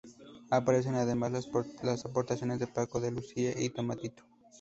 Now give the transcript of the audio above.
Aparecen, además, las aportaciones de Paco de Lucía y Tomatito.